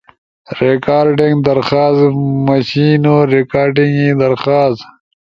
ریکارڈنگ درخواست، مُݜینو ریکارڈنگ ئی درخواست